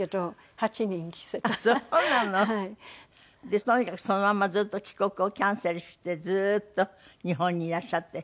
でとにかくそのまんまずっと帰国をキャンセルしてずーっと日本にいらっしゃって。